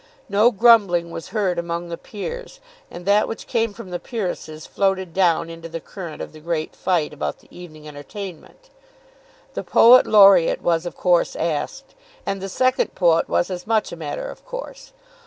No grumbling was heard among the peers, and that which came from the peeresses floated down into the current of the great fight about the evening entertainment. The poet laureate was of course asked, and the second poet was as much a matter of course.